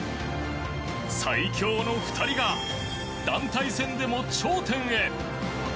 最強の２人が団体戦でも頂点へ。